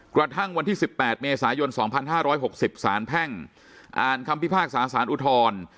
กระทั่งวันที่๑๘เมษายน๒๕๖๐สารแพ่งอ่านคำพิพากษาสารอุทธร